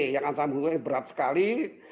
yang ancaman hukumnya berat sekali